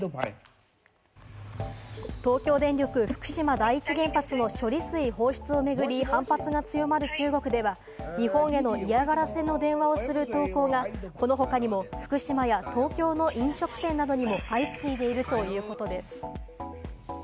東京電力・福島第一原発の処理水放出を巡り、反発が強まる中国では、日本への嫌がらせの電話をする投稿が、この他にも福島や、東京の飲食店などにも、相次いでいるということです。